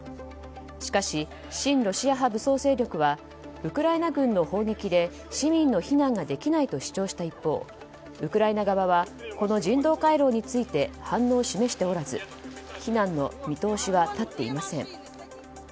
しかし、親ロシア派武装勢力はウクライナ軍の砲撃で市民の避難ができないと主張した一方、ウクライナ側はこの人道回廊について反応を示しておらず避難の見通しは立っていません。